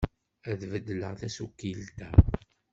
Ad beddleɣ tasuqilt-a.